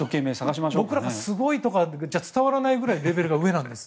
僕らがすごいとかじゃ伝わらないくらいレベルが上なんです。